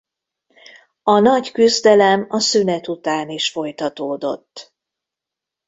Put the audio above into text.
A nagy küzdelem a szünet után is folytatódott.